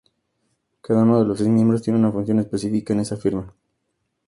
Cada uno de los seis miembros tiene una función específica en esa firma.